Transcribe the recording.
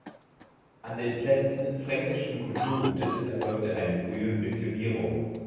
An den Plätzen fränkischen Kulturgutes erfolgte eine frühe Missionierung.